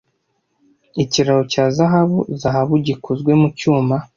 Ikiraro cya Zahabu Zahabu gikozwe mucyuma.